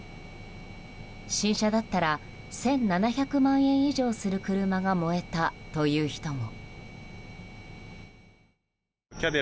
新車だったら１７００万円以上する車が燃えたという人も。